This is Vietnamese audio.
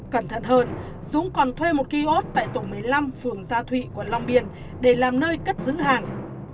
cẩn thận hơn dũng còn thuê một kiosk tại tổ một mươi năm phường gia thụy quận long biên để làm nơi cất giữ hàng